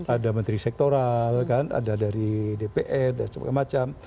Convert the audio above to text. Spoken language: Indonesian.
ada menteri sektoral kan ada dari dpr dan sebagainya macam